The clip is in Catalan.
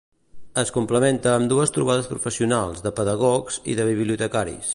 Es complementa amb dues trobades professionals, de pedagogs i de bibliotecaris.